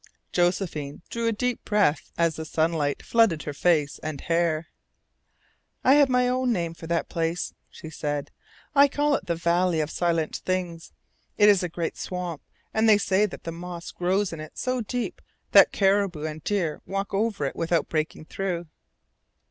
Josephine drew a deep breath as the sunlight flooded her face and hair. "I have my own name for that place," she said. "I call it the Valley of Silent Things. It is a great swamp, and they say that the moss grows in it so deep that caribou and deer walk over it without breaking through."